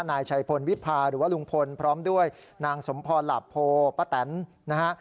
นายชัยพลวิพาหรือว่าลุงพลพร้อมด้วยนางสมพรหลาโพป้าแตนนะฮะ